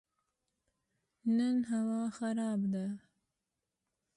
نن هوا خراب ده